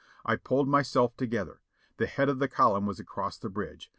I pulled myself together ; the head of the column was across the bridge.